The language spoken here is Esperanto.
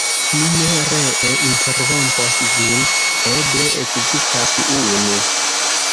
"Mi ne ree interrompos vin; eble ekzistas unu."